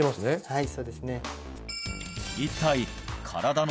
はい